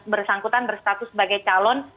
bersangkutan bersangkutan sebagai calon